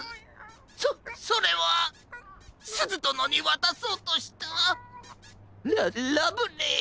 そそれはすずどのにわたそうとしたララブレ。